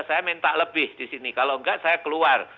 saya minta lebih disini kalau enggak saya keluar